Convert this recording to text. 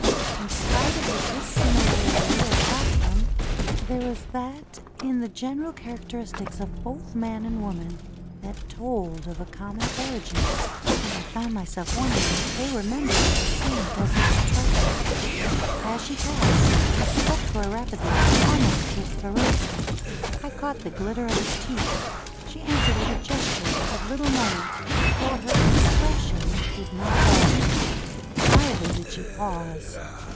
In spite of the dissimi larity of costume there was that in the general charac teristics of both man and woman that told of a common origin, and I found myself wondering if they were mem bers of the same desert tribe. As she passed he spoke to her rapidly, almost with ferocity. I caught the glitter of his teeth. She answered with a gesture, of little moment, for her expression did not alter, neither did she pause.